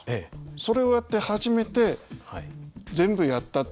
それをやって初めて全部やったっていう。